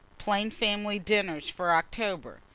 PLAIN FAMILY DINNERS FOR OCTOBER.